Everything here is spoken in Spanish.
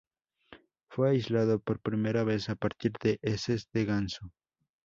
Fue aislado por primera vez a partir de heces de ganso.